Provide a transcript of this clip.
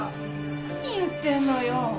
何言ってるのよ。